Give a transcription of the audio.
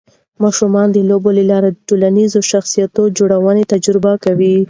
ماشومان د لوبو له لارې د ټولنیز شخصیت جوړونه تجربه کوي.